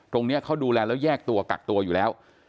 ตรงนี้เขาดูแลแล้วแยกตัวกักตัวอยู่แล้ว